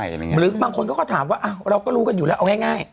อะไรอย่างเงี้ยหรือบางคนก็ก็ถามว่าอ่าเราก็รู้กันอยู่แล้วเอาง่ายง่าย